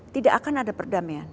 tidak akan ada perdamaian